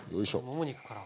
もも肉から。